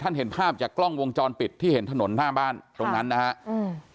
เห็นภาพจากกล้องวงจรปิดที่เห็นถนนหน้าบ้านตรงนั้นนะฮะอืม